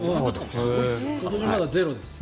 今年まだゼロです。